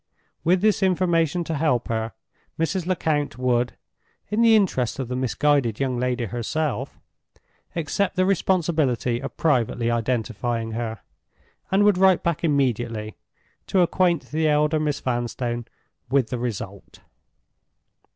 With this information to help her, Mrs. Lecount would, in the interest of the misguided young lady herself, accept the responsibility of privately identifying her, and would write back immediately to acquaint the elder Miss Vanstone with the result.